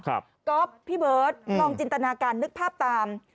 ก๊อฟพี่เบิร์ตลองจินตนาการนึกภาพตาม